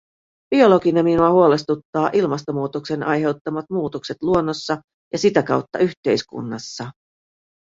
Biologina minua huolestuttaa ilmastonmuutoksen aiheuttamat muutokset luonnossa ja sitä kautta yhteiskunnassa.